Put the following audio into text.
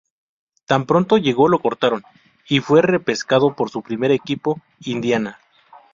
Tan pronto llegó lo cortaron, y fue repescado por su primer equipo, Indiana.